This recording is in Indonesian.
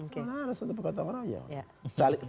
tidak harus tetap gotong royong